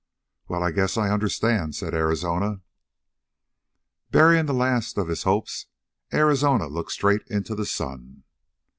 "Well, I guess I understand," said Arizona. Burying the last of his hopes, Arizona looked straight into the sun.